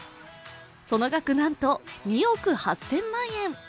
その額、なんと２億８０００万円。